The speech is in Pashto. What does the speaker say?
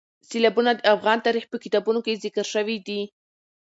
سیلابونه د افغان تاریخ په کتابونو کې ذکر شوي دي.